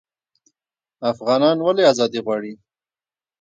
افغانان ولې ازادي غواړي؟